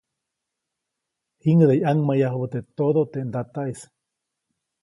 Jiŋʼäde ʼyaŋmayubä teʼ todo teʼ ndataʼis.